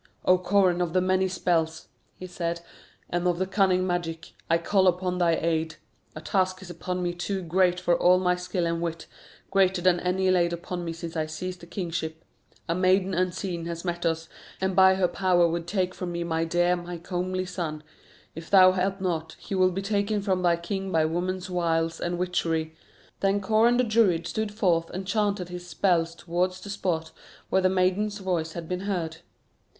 "O Coran of the many spells," he said, "and of the cunning magic, I call upon thy aid. A task is upon me too great for all my skill and wit, greater than any laid upon me since I seized the kingship. A maiden unseen has met us, and by her power would take from me my dear, my comely son. If thou help not, he will be taken from thy king by woman's wiles and witchery." Then Coran the Druid stood forth and chanted his spells towards the spot where the maiden's voice had been heard.